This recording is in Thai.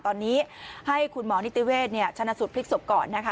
ตอนนี้ให้คุณหมอนิติเวชชนะสูตรพลิกศพก่อนนะคะ